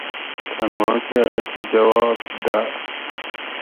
تھہ ماکہ اسوں جواب داۤ